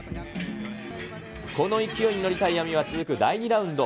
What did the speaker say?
この勢いに乗りたいＡＭＩは続く第２ラウンド。